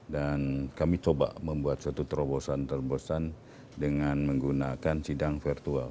dan kami coba membuat suatu terobosan terobosan dengan menggunakan sidang virtual